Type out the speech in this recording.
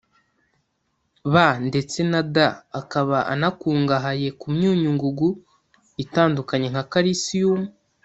B ndetse na D akaba anakungahaye ku myunyungugu itandukanye nka calicium